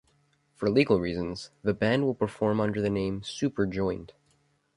For legal reasons, the band will perform under the name "Superjoint".